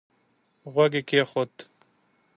غوږ يې کېښود.